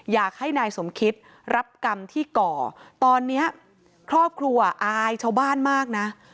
อยากให้นายสมคิตรับกรรมที่ก่อตอนนี้ครอบครัวอายชาวบ้านมากนะ